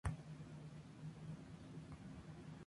El cráter recibe su nombre del científico griego Arquímedes.